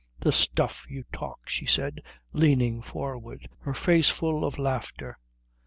"The stuff you talk!" she said, leaning forward, her face full of laughter.